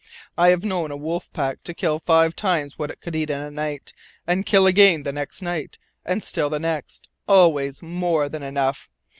I have known a wolf pack to kill five times what it could eat in a night, and kill again the next night, and still the next always more than enough.